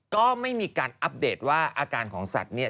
ก็ไม่มีการอัปเดตว่าอาการของสัตว์เนี่ย